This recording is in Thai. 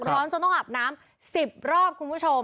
จนต้องอาบน้ำ๑๐รอบคุณผู้ชม